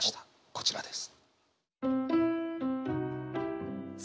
こちらです。